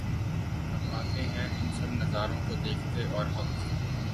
اب آتے ہیں ان سب نظاروں کو دیکھتے اور حق